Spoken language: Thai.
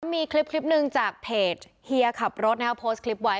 มีคลิปนึงจากเทจเฮียขับรถนะครับโพสต์คลิปไว้